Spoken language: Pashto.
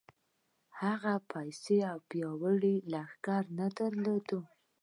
هغه پيسې او پياوړی لښکر نه درلود.